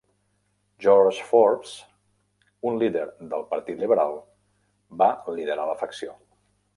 George Forbes, un líder del Partit Liberal, va liderar la facció.